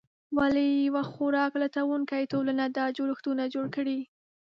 ولې یوه خوراک لټونکې ټولنه دا جوړښتونه جوړ کړي؟